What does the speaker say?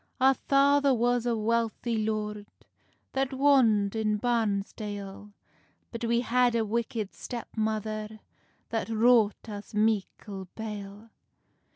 "Our father was a wealthy lord, That wond in Barnsdale; But we had a wicked step mother, That wrought us meickle bale.